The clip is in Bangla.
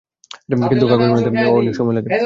কিছু কাগজ বানাতে অনেক সময় লাগে।